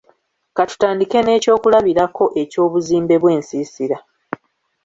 Ka tutandike n'ekyokulabirako eky'obuzimbe bw'ensiisira